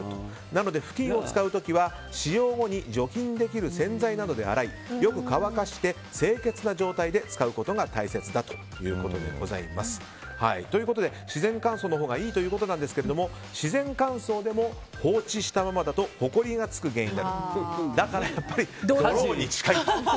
なので、ふきんを使う時は使用後に除菌できる洗剤などで洗い、よく乾かして清潔な状態で使うことが大切ということでございます。ということで、自然乾燥のほうがいいということなんですが自然乾燥でも、放置したままだとほこりがつく原因になりだから、やっぱりドローに近い。